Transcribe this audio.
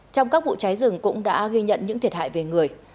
trong các vụ cháy rừng cũng đã ghi nhận những thiệt hại về người